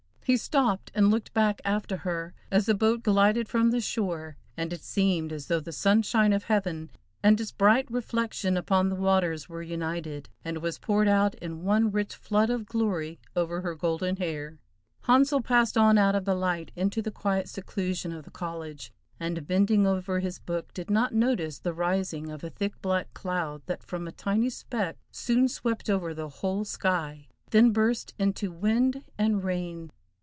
He stopped and looked back after her as the boat glided from the shore, and it seemed as though the sunshine of heaven and its bright reflection upon the waters were united, and was poured out in one rich flood of glory over her golden hair. Handsel passed on out of the light into the quiet seclusion of the college, and bending over his book did not notice the rising of a thick, black cloud that from a tiny speck soon swept over the whole sky, then burst into wind and rain.